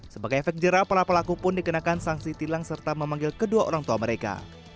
sebagai efek jerah para pelaku pun dikenakan sanksi tilang serta memanggil kedua orang tua mereka